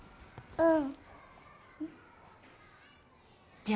うん。